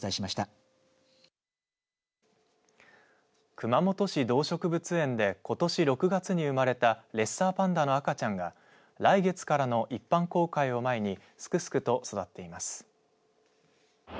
熊本市動植物園でことし６月に生まれたレッサーパンダの赤ちゃんが来月からの一般公開を前にすくすくと育っています。